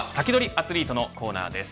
アツリートのコーナーです。